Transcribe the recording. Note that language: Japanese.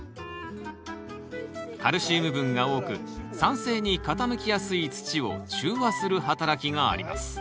カルシウム分が多く酸性に傾きやすい土を中和する働きがあります。